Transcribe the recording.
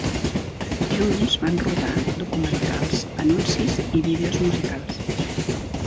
Junts van rodar documentals, anuncis i vídeos musicals.